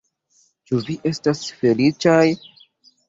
Ĉu vi estas feliĉaj?